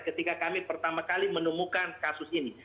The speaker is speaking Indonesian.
ketika kami pertama kali menemukan kasus ini